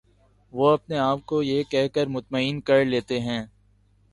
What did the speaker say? وہ اپنے آپ کو یہ کہہ کر مطمئن کر لیتے ہیں